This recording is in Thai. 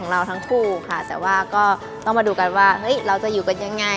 เอานะพี่เอาข้างบนแล้วกันนะ